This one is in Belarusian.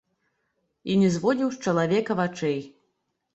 І не зводзіў з чалавека вачэй.